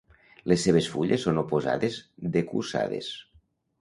Les seves fulles són oposades decussades.